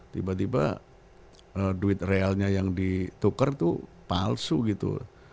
tiba tiba duit realnya yang dituker tuh palsu gitu